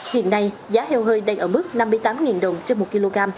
hiện nay giá heo hơi đang ở mức năm mươi tám đồng trên một kg